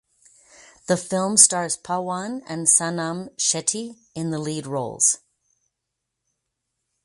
The film stars Pawan and Sanam Shetty in the lead roles.